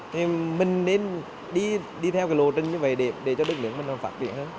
thì mình nên đi theo cái lộ trình như vậy để cho đất nước mình nó phát triển hơn